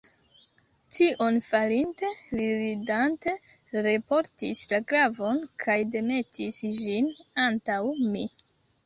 Tion farinte, li ridante reportis la glavon, kaj demetis ĝin antaŭ mi.